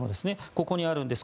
ここにあるんです。